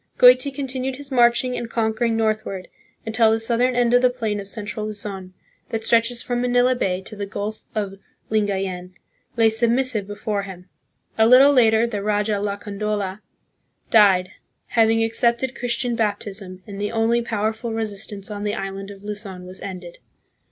Goiti continued his marching and conquering northward until the southern end of the plain of central Luzon, that stretches from Manila Bay to the Gulf of Lingayen, lay submissive before him. A little later the raja Lacandola died, having accepted Christian baptism, and the only powerful resist ance on the island of Luzon was ended.